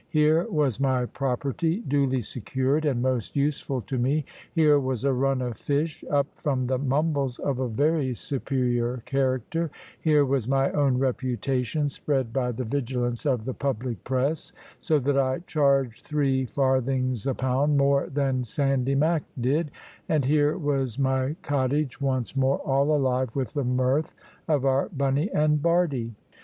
Here was my property duly secured and most useful to me, here was a run of fish up from the Mumbles of a very superior character, here was my own reputation spread by the vigilance of the public press, so that I charged three farthings a pound more than Sandy Mac did, and here was my cottage once more all alive with the mirth of our Bunny and Bardie.